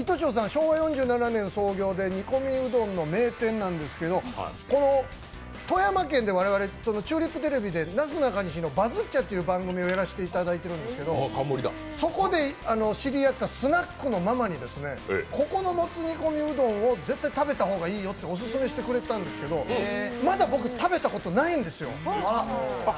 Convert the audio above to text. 昭和４７年創業で煮込みうどんの老舗なんですけど富山県で我々、チューリップテレビで「なすなかにしのバズっちゃ！！」という番組をやらせていただいているんですけど、そこで知り合ったスナックのママにここのもつ煮込みうどんを絶対食べた方がいいよとオススメされたんですけど、まだ僕、食べたことないんですよ。